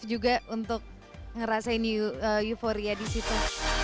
dan juga untuk ngerasain euforia di situ